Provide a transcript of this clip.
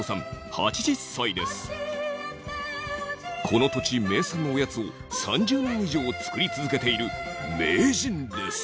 この土地名産のおやつを３０年以上作り続けている名人です。